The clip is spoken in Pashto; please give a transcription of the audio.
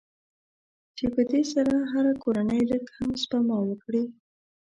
چې په دې سره که هره کورنۍ لږ هم سپما وکړي.